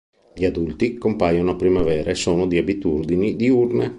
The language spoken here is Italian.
Gli adulti compaiono a primavera e sono di abitudini diurne.